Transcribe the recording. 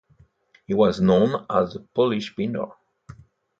He was known as the Polish Pindar.